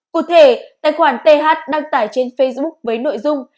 cụ thể tài khoản th đăng tải trên facebook với nội dung